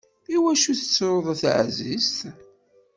Iwacu tettruḍ a taεzizt?